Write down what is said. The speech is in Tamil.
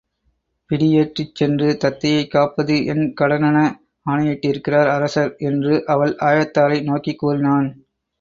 பிடியேற்றிச் சென்று தத்தையைக் காப்பது என் கடனென ஆணையிட்டிருக்கிறார் அரசர் என்று அவள் ஆயத்தாரை நோக்கிக் கூறினான்.